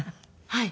はい。